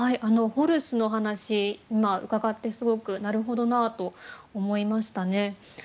ホルスの話今伺ってすごくなるほどなと思いましたね。